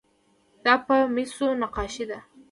دا په مسو نقاشي ده.